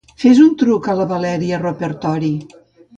Fes un truc a la Valeria Ropertori.